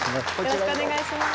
よろしくお願いします。